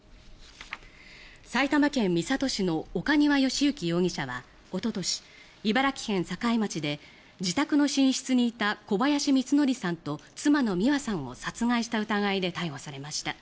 埼玉県三郷市の岡庭由征容疑者はおととし茨城県境町で自宅の寝室にいた小林光則さんと妻の美和さんを殺害した疑いで逮捕されました。